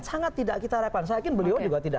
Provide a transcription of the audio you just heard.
sangat tidak kita harapkan saya yakin beliau juga tidak